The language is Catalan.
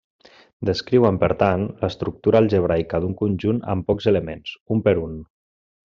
Descriuen, per tant, l'estructura algebraica d'un conjunt amb pocs elements, un per un.